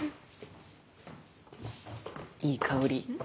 いい香り。